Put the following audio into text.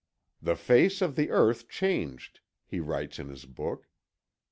"The face of the earth changed," he writes in his book.